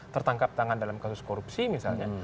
tertangkap tangan dalam kasus korupsi misalnya